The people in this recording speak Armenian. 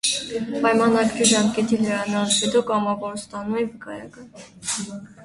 Պայմանագրի ժամկետի լրանալուց հետո կամավորը ստանում է վկայական։